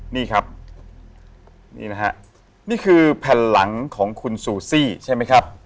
นี่ครับนี่นะฮะนี่คือแผ่นหลังของคุณซูซี่ใช่ไหมครับ